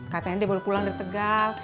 katanya dia baru pulang dari tegal